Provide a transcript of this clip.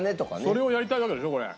それをやりたいわけでしょこれ。